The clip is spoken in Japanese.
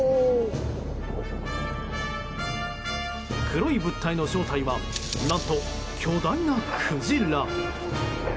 黒い物体の正体は何と巨大なクジラ。